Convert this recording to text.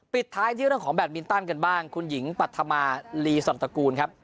ปิดท้ายที่เรื่องของแดดมินตันกันบ้างคุณหญิงปัธมาลีสำตระกูลครับ